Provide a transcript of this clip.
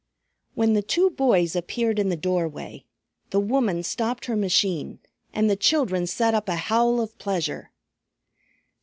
When the two boys appeared in the doorway, the woman stopped her machine and the children set up a howl of pleasure.